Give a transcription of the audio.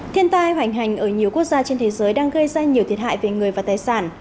thiên tai hoành hành ở nhiều quốc gia trên thế giới đang gây ra nhiều thiệt hại về người và tài sản